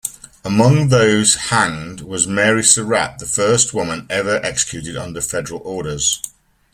Among those hanged was Mary Surratt, the first woman ever executed under federal orders.